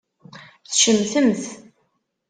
Tcemtemt.